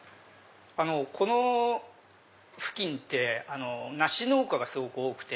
この付近って梨農家がすごく多くて。